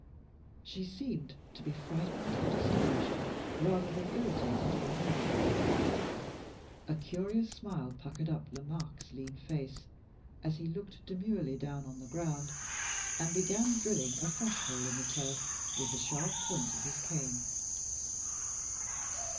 She seemed to be frightened and astonished, rather than irritated or hurt. A curious smile puckered up Lomaque's lean face, as he looked demurely down on the ground, and began drilling a fresh hole in the turf with the sharp point of his cane.